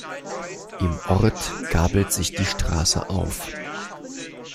Im Ort gabelt sich die Straße auf.